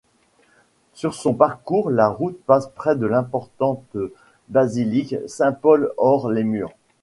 Sur son parcours, la route passe près de l'importante basilique Saint-Paul-hors-les-Murs.